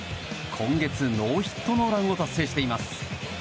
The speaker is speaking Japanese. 今月、ノーヒットノーランを達成しています。